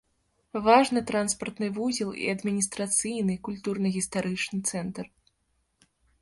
Важны транспартны вузел і адміністрацыйны, культурна-гістарычны цэнтр.